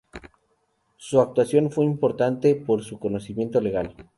Su actuación fue importante por su conocimiento legal.